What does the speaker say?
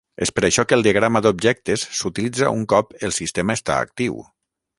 És per això que el diagrama d’objectes s’utilitza un cop el sistema està actiu.